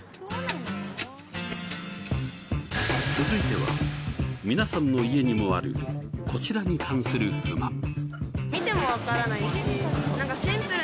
続いては皆さんの家にもあるこちらに関する不満。